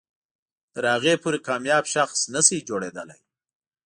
تر هغې پورې کامیاب شخص نه شئ جوړېدلی.